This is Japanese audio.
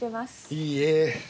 いいえ。